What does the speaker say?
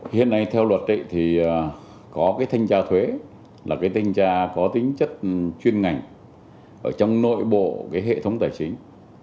hiện nay theo luật thì có cái thanh tra thuế là cái thanh tra có tính chất chuyên ngành ở trong nội bộ cái hệ thống tài chính